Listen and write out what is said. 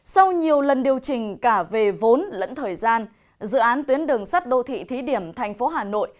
sau nhiều lần điều chỉnh cả về vốn lẫn thời gian dự án tuyến đường sắt đô thị thí điểm thành phố hà nội